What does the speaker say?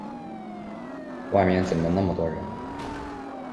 外面怎么那么多人？